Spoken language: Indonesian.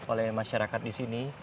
oleh masyarakat di sini